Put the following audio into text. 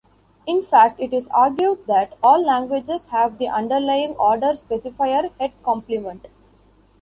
In fact, it is argued that all languages have the underlying order Specifier-Head-Complement.